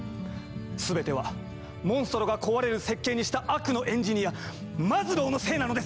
全てはモンストロが壊れる設計にした悪のエンジニアマズローのせいなのですから！